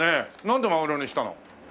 なんでマグロにしたの？